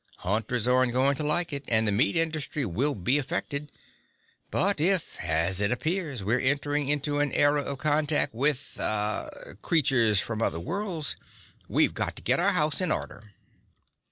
Hunters aren't going to like it and the meat industry will be affected. But if, as it appears, we're entering into an era of contact with ... ah ... creatures from other worlds, we've got to get our house in order."